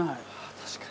確かに。